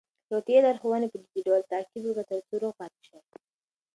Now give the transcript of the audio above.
روغتیايي لارښوونې په جدي ډول تعقیب کړئ ترڅو روغ پاتې شئ.